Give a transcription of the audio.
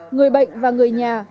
người bệnh và người nhà